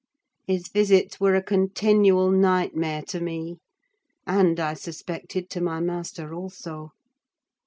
His visits were a continual nightmare to me; and, I suspected, to my master also.